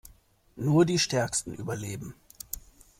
Nur die Stärksten überleben.